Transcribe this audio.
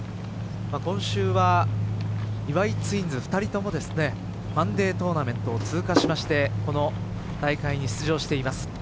今週は岩井ツインズ２人ともマンデートーナメントを通過しましてこの大会に出場しています。